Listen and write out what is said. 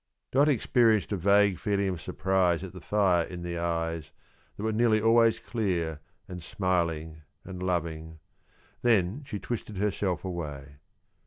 Dot experienced a vague feeling of surprise at the fire in the eyes that were nearly always clear, and smiling, and loving, then she twisted herself away.